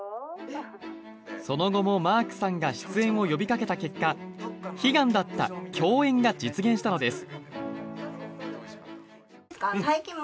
その後もマークさんが出演を呼びかけた結果悲願だった共演が実現したのです。